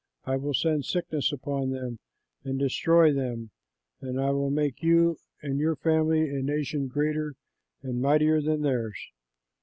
I will send sickness upon them and destroy them, and I will make you and your family a nation greater and mightier than theirs."